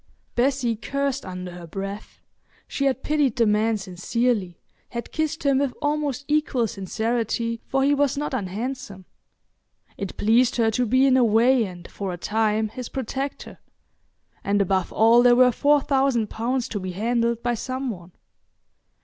Bessie cursed under her breath. She had pitied the man sincerely, had kissed him with almost equal sincerity, for he was not unhandsome; it pleased her to be in a way and for a time his protector, and above all there were four thousand pounds to be handled by some one.